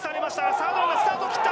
サードランナー、スタートを切った。